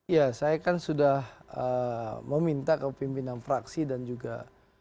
ya saya kan sudah meminta kepimpinan fraksi dan juga